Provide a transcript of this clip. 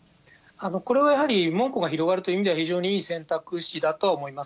これはやはり門戸が広がるという意味では、非常にいい選択肢だとは思います。